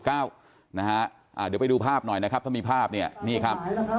เดี๋ยวไปดูภาพหน่อยนะครับถ้ามีภาพเนี่ยนี่ครับ